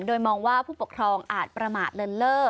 โดยมองว่าผู้ปกครองอาจประมาทเลินเล่อ